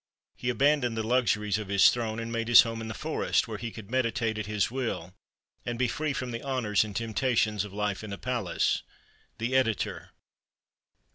He abandoned the luxuries of his throne and made his home in the forest, where he could meditate at his will and be free from the honors and temptations of life in a palace. The Editor.